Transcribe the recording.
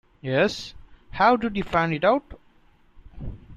Yes, how did you find it out?